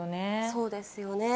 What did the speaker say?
そうですよね。